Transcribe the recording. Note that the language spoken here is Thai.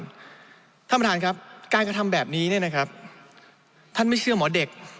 ท่านประธานครับการกระทำแบบนี้เนี่ยนะครับท่านไม่เชื่อหมอเด็ก